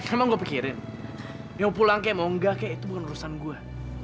emang gue pikirin mau pulang kek mau enggak kek itu bukan urusan gue